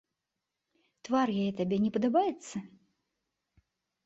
Твар яе табе не падабаецца?